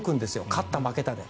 勝った負けたで。